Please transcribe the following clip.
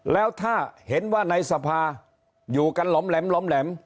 แล้วถ้าเห็นว่าในสภาอยู่กันหล่อมแหลม